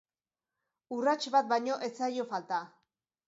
Urrats bat baino ez zaio falta.